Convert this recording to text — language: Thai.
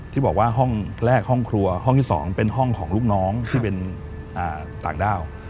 ที่บอกว่าห้องแรกห้องครัวห้องที่๒เป็นห้องของลูกน้องที่เป็นต่างด้าว